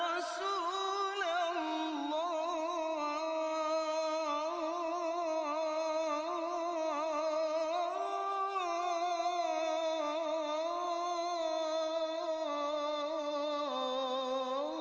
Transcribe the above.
assalatu wassalamu alaikum